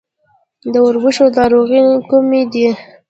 د وربشو ناروغۍ کومې دي؟